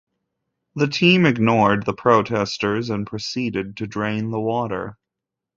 The team ignored the protesters and proceeded to drain the water.